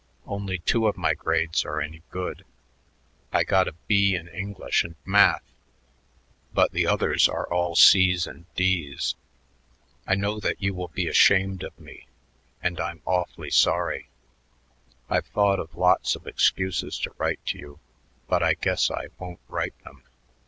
Only two of my grades are any good. I got a B in English and Math but the others are all C's and D's. I know that you will be ashamed of me and I'm awfully sorry. I've thought of lots of excuses to write to you, but I guess I won't write them.